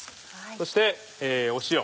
そして塩。